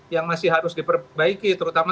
yang masih harus diperbaiki terutama